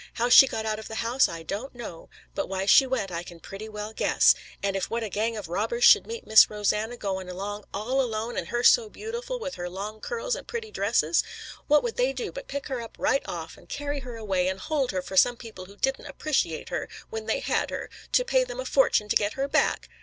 How she got out of the house I don't know. But why she went I can pretty well guess, and what if a gang of robbers should meet Miss Rosanna going along all alone and her so beautiful with her long curls and pretty dresses? What would they do but pick her up right off, and carry her away and hold her for some people who didn't appreciate her when they had her, to pay them a fortune to get her back?"